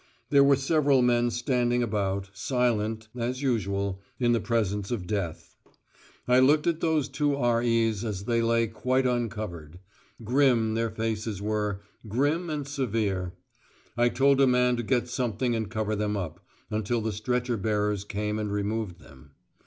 There were several men standing about, silent, as usual, in the presence of death. I looked at those two R.E.'s as they lay quite uncovered; grim their faces were, grim and severe. I told a man to get something and cover them up, until the stretcher bearers came and removed them.